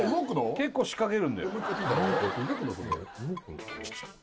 結構仕掛けるんだよ動くの？